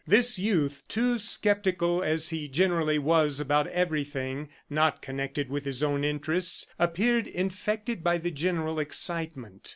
This youth, too, skeptical as he generally was about everything not connected with his own interests, appeared infected by the general excitement.